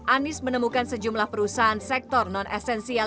anies menemukan sejumlah perusahaan sektor non esensial